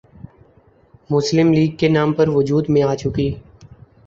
مسلم لیگ کے نام پر وجود میں آ چکی